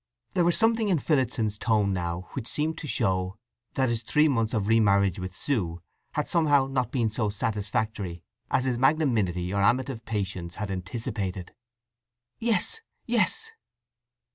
There was something in Phillotson's tone now which seemed to show that his three months of remarriage with Sue had somehow not been so satisfactory as his magnanimity or amative patience had anticipated. "Yes, yes!"